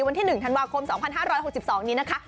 วันที่๑ธันวาคม๒๕๖๒นี้นะคะ